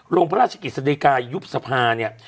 โรงพระราชกิจศัตริกายุบสภาเนี่ย